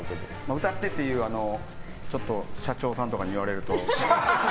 歌ってって社長さんとかに言われると。